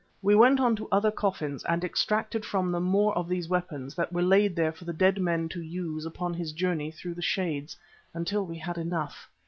We went on to other coffins and extracted from them more of these weapons that were laid there for the dead man to use upon his journey through the Shades, until we had enough.